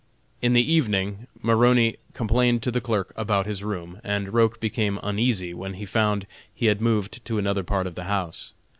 In the evening Maroney complained to the clerk about his room, and Roch became uneasy when he found he had moved to another part of the house.